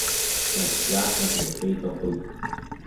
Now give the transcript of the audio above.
Аҷҷаҳәа иаҳәеит аҟәыд.